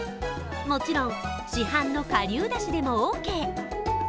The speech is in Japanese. もちろん市販の顆粒だしでもオーケー。